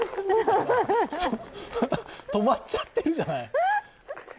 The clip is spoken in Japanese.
止まっちゃってるじゃない。